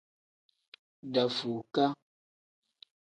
Dafukaa.